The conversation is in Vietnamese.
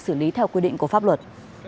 xử lý theo quy định của pháp luật